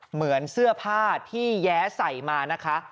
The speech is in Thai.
เหมือนเสื้อผ้าที่แย้ใส่มานะคะ